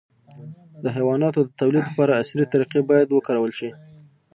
د حیواناتو د تولید لپاره عصري طریقې باید وکارول شي.